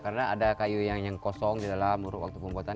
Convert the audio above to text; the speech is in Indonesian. karena ada kayu yang kosong di dalam waktu pembuatan